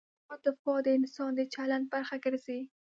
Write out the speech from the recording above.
دا دفاع د انسان د چلند برخه ګرځي.